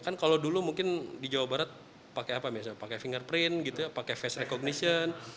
kan kalau dulu mungkin di jawa barat pakai fingerprint pakai face recognition